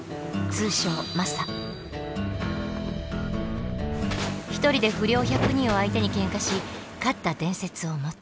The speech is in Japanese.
通称１人で不良１００人を相手にケンカし勝った伝説を持つ。